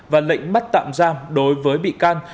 và lệnh mắt tạm giam đối với bị can